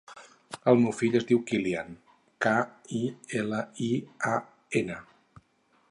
El meu fill es diu Kilian: ca, i, ela, i, a, ena.